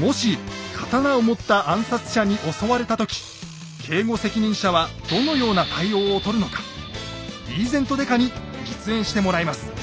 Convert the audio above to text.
もし刀を持った暗殺者に襲われた時警護責任者はどのような対応をとるのかリーゼント刑事に実演してもらいます。